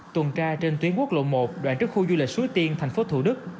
tuần tra trên tuyến quốc lộ một đoạn trước khu du lịch suối tiên thành phố thủ đức